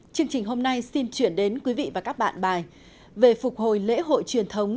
chương trình hôm nay xin chuyển đến quý vị và các bạn bài về phục hồi lễ hội truyền thống